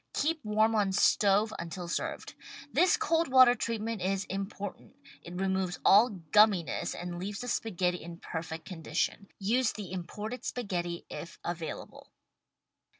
Keep warm on stove until served. This cold water treatment is important. It removes all gumminess and leaves the spaghetti in perfect condition. Use the imported spaghetti if available.